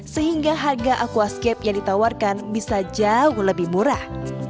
sehingga harga aquascape yang ditawarkan bisa jauh lebih murah